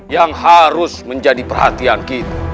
yang harus menjadi perhatian kita